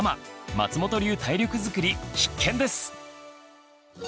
松本流体力づくり必見です！